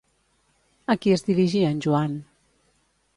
A qui es dirigia en Joan?